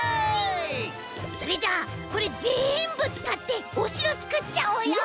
それじゃあこれぜんぶつかっておしろつくっちゃおうよ！